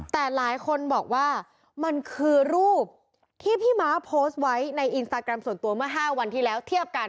แต่หลายคนบอกว่ามันคือรูปที่พี่ม้าโพสต์ไว้ในอินสตาแกรมส่วนตัวเมื่อ๕วันที่แล้วเทียบกัน